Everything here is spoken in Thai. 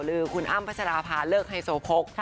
หรือคุณอ้ำพพเลิกให้โสโพก